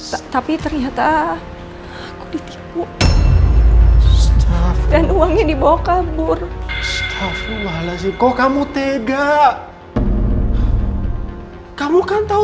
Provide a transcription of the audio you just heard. tetapi ternyata aku di tipu dan uangnya dibawa kabur rumah punctega kamu kan tahu